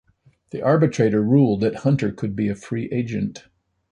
The arbitrator ruled that Hunter could be a free agent.